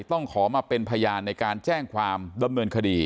ต้องขอมาเป็นพยานในการแจ้งความดำเนินคดี